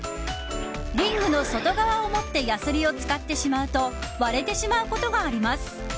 リングの外側を持ってヤスリを使ってしまうと割れてしまうことがあります。